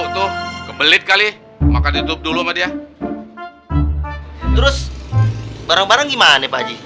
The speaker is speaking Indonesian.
terus barang barang gimana pak haji